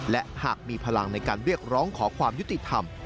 และหากมีพลังในการเรียกร้องขอความยุติธรรม